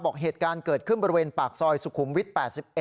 บอกเหตุการณ์เกิดขึ้นบริเวณปากซอยสุขุมวิท๘๑